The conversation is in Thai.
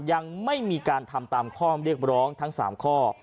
ยังไม่มีการทำตามข้อเรียกร้องทั้ง๓ข้อ